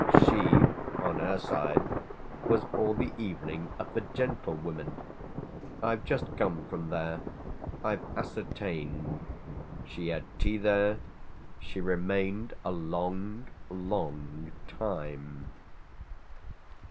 She, on her side, was all the evening at the 'Gentlewomen.' I've just come from there I've ascertained. She had tea there; she remained a long, long time."